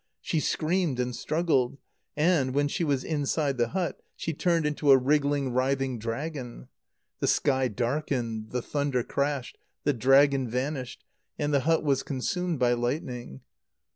She screamed and struggled; and, when she was inside the hut, she turned into a wriggling, writhing dragon. The sky darkened, the thunder crashed, the dragon vanished, and the hut was consumed by lightning.